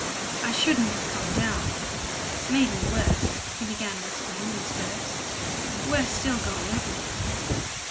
"I shouldn't have come down made me worse," he began whispering in spurts. "Worse still going up again.